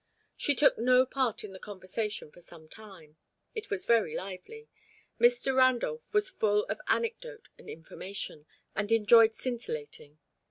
She took no part in the conversation for some time. It was very lively. Mr. Randolph was full of anecdote and information, and enjoyed scintillating.